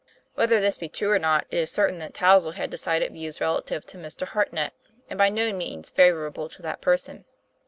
Whether this be true or not, it is certain that Touzle had decided views relative to Mr. Hartnett, and by no means favorable to that person.